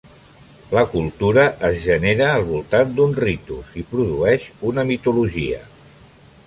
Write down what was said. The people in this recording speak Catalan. La cultura es genera al voltant d’uns ritus i produeix una mitologia.